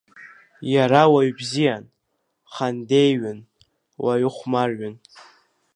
Иара уаҩ бзиан, хандеиҩын, уаҩы хәмарҩын.